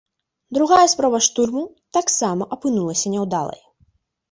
Другая спроба штурму таксама апынулася няўдалай.